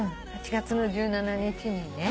８月の１７日にね。